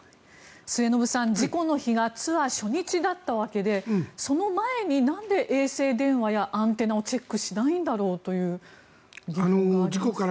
末延さん、事故の日がツアー初日だったわけでその前になんで衛星電話やアンテナをチェックしないんだろうという感じがあります。